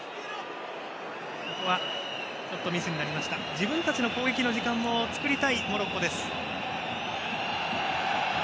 自分たちの攻撃の時間も作りたいモロッコです。